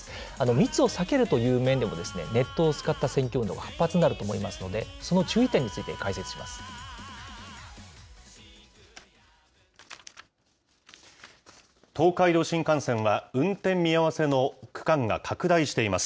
密を避けるという面でも、ネットを使った選挙運動が活発になると思いますので、その注意点について解説します。